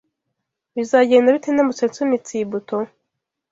Bizagenda bite ndamutse nsunitse iyi buto?